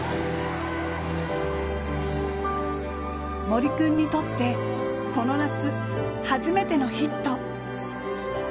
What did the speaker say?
森君にとってこの夏、初めてのヒット。